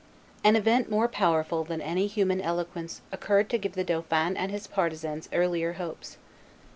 An event more powerful than any human eloquence occurred to give the dauphin and his partisans earlier hopes.